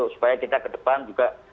supaya kita ke depan juga